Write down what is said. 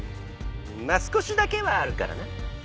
まっ少しだけはあるからな。